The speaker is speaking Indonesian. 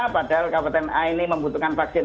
padahal kabupaten a ini membutuhkan vaksin